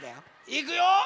いくよ！